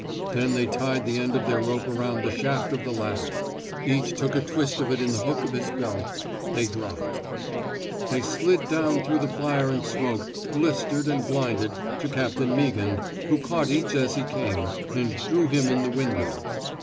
Then they tied the end of their rope around the shaft of the ladder; each took a twist of it in the hook of his belt ; they dropped. They slid down through fire and smoke, blistered and blinded, to Captain Meaghan, who caught each as he came, and drew him in the window.